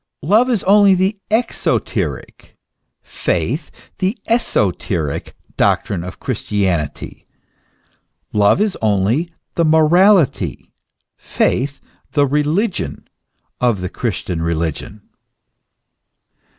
Love is only the exoteric, faith the esoteric doctrine of Christianity ; love is only the morality, faith the religion of the Christian religion.